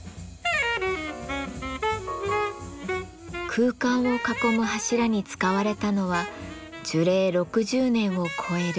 空間を囲む柱に使われたのは樹齢６０年を超える秋田杉です。